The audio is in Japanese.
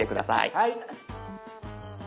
はい。